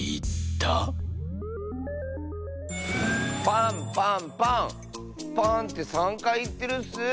パンパンパンパンって３かいいってるッス。